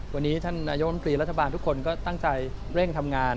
วันนี้ท่านนายกรรมตรีรัฐบาลทุกคนก็ตั้งใจเร่งทำงาน